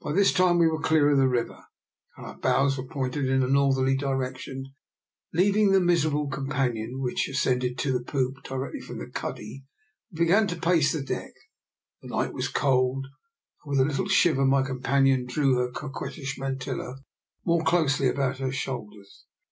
By this time we were clear of the river, and our bows were pointed in a northerly direction. Leaving the miser able companion, which ascended to the poop directly from the cuddy, we began to pace the deck. The night was cold, and, with a little shiver, my companion drew her coquettish mantilla more closely about her shoulders.